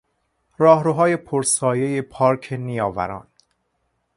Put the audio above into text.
راهروهای پر سایهی پارک نیاوران